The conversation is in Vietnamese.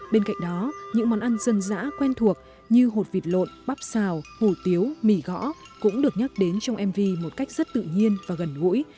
bên cạnh đó những món ăn dân dã quen thuộc như hột vịt lộn bắp xào hủ tiếu mì gõ cũng được nhắc đến trong mv một cách rất tự nhiên và gần gũi